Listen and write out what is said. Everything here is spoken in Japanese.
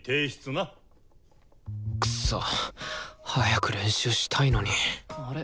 クソッ早く練習したいのにあれ？